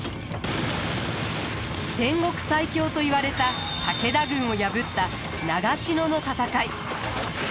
戦国最強といわれた武田軍を破った長篠の戦い。